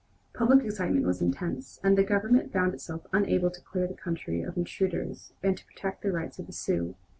Public excitement was intense, and the Government found itself unable to clear the country of intruders and to protect the rights of the Sioux.